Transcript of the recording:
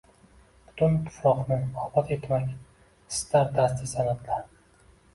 Butun tufroqni obod etmak istar dasti sanʻat-la